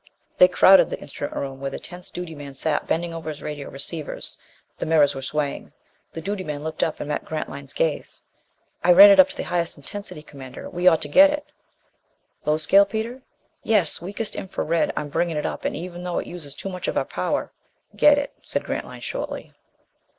They crowded the instrument room where the tense duty man sat bending over his radio receivers. The mirrors were swaying. The duty man looked up and met Grantline's gaze. "I ran it up to the highest intensity, Commander. We ought to get it " "Low scale, Peter?" "Yes. Weakest infra red. I'm bringing it up, even though it uses too much of our power." "Get it," said Grantline shortly.